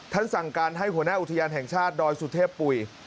สั่งการให้หัวหน้าอุทยานแห่งชาติดอยสุเทพปุ๋ย